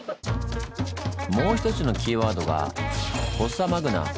もう一つのキーワードが「フォッサマグナ」。